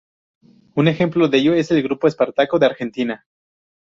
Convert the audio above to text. Un ejemplo de ello, es el Grupo Espartaco de Argentina.